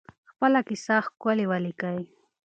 خپله کیسه ښکلې ولیکئ.